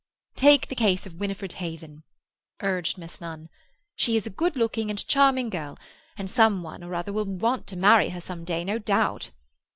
"Take the case of Winifred Haven," urged Miss Nunn. "She is a good looking and charming girl, and some one or other will want to marry her some day, no doubt."